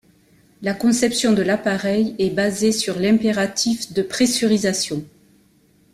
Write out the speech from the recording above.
La conception de l'appareil est basée sur l'impératif de pressurisation.